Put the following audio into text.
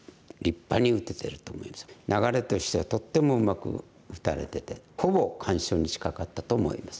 流れとしてはとってもうまく打たれててほぼ完勝に近かったと思います。